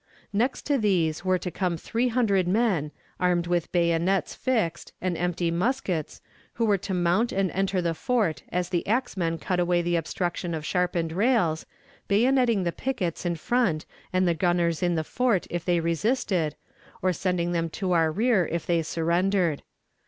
"Next to these were to come three hundred men, armed with bayonets fixed and empty muskets, who were to mount and enter the fort as the axemen cut away the obstruction of sharpened rails, bayoneting the pickets in front and gunners in the fort if they resisted, or sending them to our rear if they surrendered.